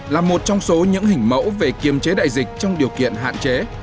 là một trong số những hình mẫu về kiềm chế đại dịch trong điều kiện hạn chế